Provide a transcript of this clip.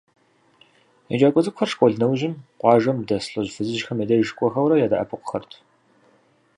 Еджакӏуэ цӏыкӏухэр школ нэужьым къуажэм дэс лӏыжь-фызыжьхэм я деж кӏуэхэурэ, ядэӏэпыкъухэрт.